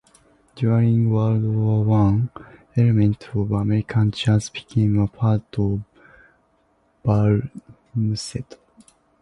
During World War One, elements of American jazz became a part of bal-musette.